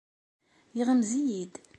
Yeɣmez-iyi-d.